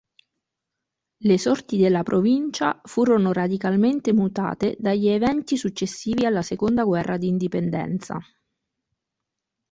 Le sorti della provincia furono radicalmente mutate dagli eventi successivi alla Seconda guerra d'indipendenza.